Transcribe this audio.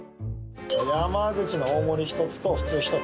ヤマグチの大盛り１つと普通１つ。